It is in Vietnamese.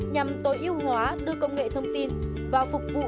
nhằm tối ưu hóa đưa công nghệ thông tin vào phục vụ